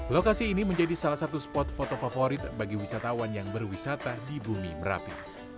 lokasi ini menjadi salah satu spot foto favorit bagi wisatawan yang berwisata di bumi merapi